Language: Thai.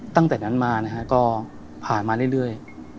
ตั้งแต่นั้นมานะฮะก็ผ่านมาเรื่อย